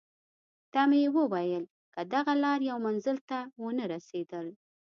ته مې وویل: که دغه لار یو منزل ته ونه رسېدل.